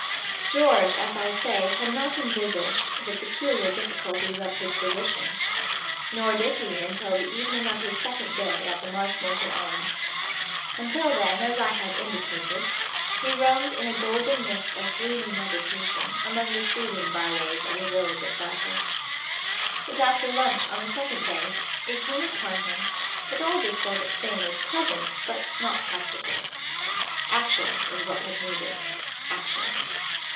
George, as I say, had not envisaged the peculiar difficulties of his position. Nor did he until the evening of his second day at the Marshmoreton Arms. Until then, as I have indicated, he roamed in a golden mist of dreamy meditation among the soothing by ways of the village of Belpher. But after lunch on the second day it came upon him that all this sort of thing was pleasant but not practical. Action was what was needed. Action.